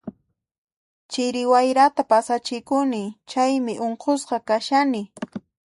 Chiri wayrata pasachikuni, chaymi unqusqa kashani.